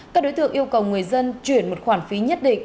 các đối tượng yêu cầu người dân chuyển một khoản phí nhất định